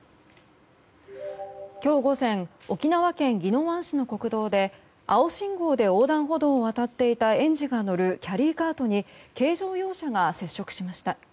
今日午前沖縄県宜野湾市の国道で青信号で横断歩道を渡っていた園児が乗るキャリーカートに軽乗用車が接触しました。